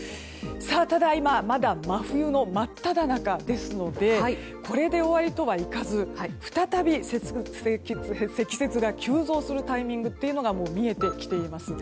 ただ、今まだ真冬の真っただ中ですのでこれで終わりとはいかず再び、積雪が急増するタイミングというのが見えてきています。